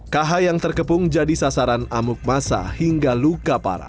kh yang terkepung jadi sasaran amuk masa hingga luka parah